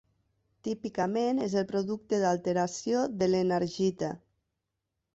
Típicament és el producte d'alteració de l'enargita.